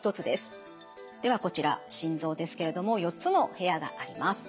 ではこちら心臓ですけれども４つの部屋があります。